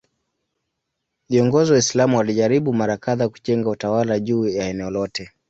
Viongozi Waislamu walijaribu mara kadhaa kujenga utawala juu ya eneo lote.